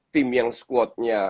tim yang squadnya